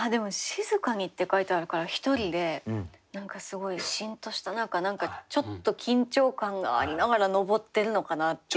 「しづかに」って書いてあるから１人で何かすごいしんとしたちょっと緊張感がありながら昇ってるのかなっていう。